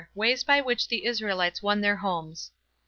WAYS BY WHICH THE ISRAELITES WON THEIR HOMES.